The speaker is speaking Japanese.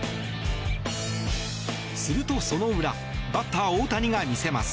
すると、その裏バッター・大谷が見せます。